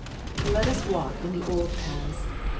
— ^Let us walk in the old paths.